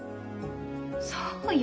そうよ